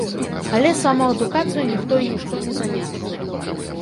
Але самаадукацыю ніхто і нішто не заменіць.